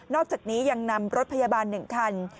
อกจากนี้ยังนำรถพยาบาล๑คัน